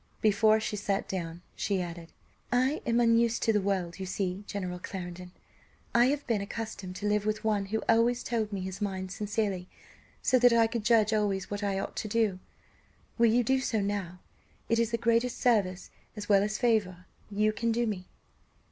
Before she sat down, she added, "I am unused to the world, you see, General Clarendon. I have been accustomed to live with one who always told me his mind sincerely, so that I could judge always what I ought to do. Will you do so now? It is the greatest service, as well as favour, you can do me."